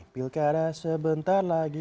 pilkada sebentar lagi